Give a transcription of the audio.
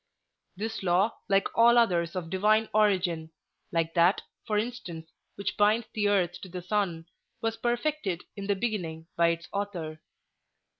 This law, like all others of divine origin—like that, for instance, which binds the earth to the sun—was perfected in the beginning by its Author.